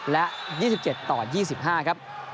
และ๒๗ต่อ๒๕ครับ